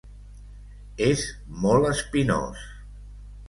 És molt espinós.